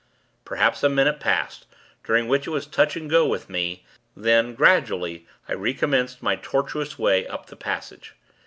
Perhaps a minute passed, during which it was touch and go with me; then, gradually I re commenced my tortuous way up the passage.